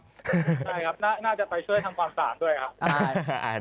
ใช่ครับน่าจะไปช่วยทำความสะอาดด้วยครับ